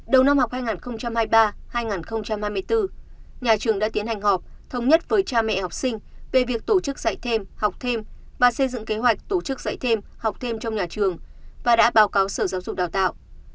đầu năm học hai nghìn hai mươi ba hai nghìn hai mươi bốn nhà trường đã tiến hành họp thống nhất với cha mẹ học sinh về việc tổ chức dạy thêm học thêm và xây dựng kế hoạch tổ chức dạy thêm học thêm trong nhà trường và đã báo cáo sở giáo dục đào tạo